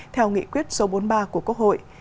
theo nghị quyết số bốn mươi ba của quốc hội